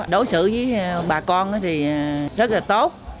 đối xử với bà con thì rất là tốt